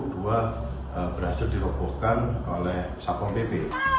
dua berhasil dirobohkan oleh satpol pp